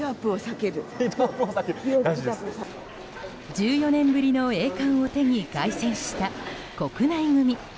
１４年ぶりの栄冠を手に凱旋した、国内組。